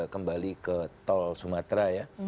kembali ke tol sumatera ya